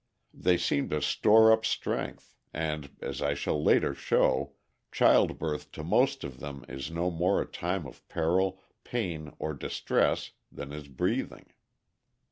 They seem to store up strength, and, as I shall later show, childbirth to most of them is no more a time of peril, pain, or distress than is breathing.